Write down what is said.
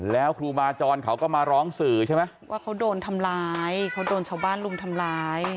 แล้วครูบาจรเขาก็มาร้องสื่อใช่ไหมว่าเขาโดนทำร้ายเขาโดนชาวบ้านลุมทำร้าย